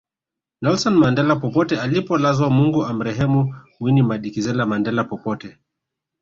Nelson Mandela popote alipolazwa Mungu amrehemu Winnie Medikizela Mandela popote